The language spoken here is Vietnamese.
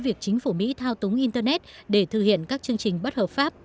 việc chính phủ mỹ thao túng internet để thực hiện các chương trình bất hợp pháp